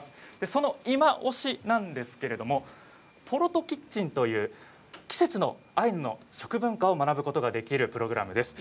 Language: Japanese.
そのいまオシなんですがポロトキッチンという、季節のアイヌの食文化を学ぶことができるプログラムです。